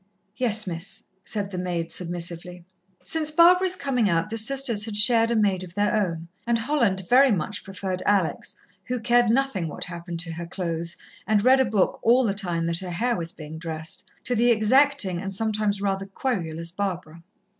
"Yes, Miss," said the maid submissively. Since Barbara's coming out, the sisters had shared a maid of their own, and Holland very much preferred Alex, who cared nothing what happened to her clothes, and read a book all the time that her hair was being dressed, to the exacting and sometimes rather querulous Barbara.